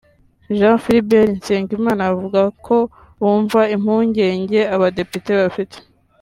Jean Philbert Nsengimana avuga ko bumva impungenge Abadepite bafite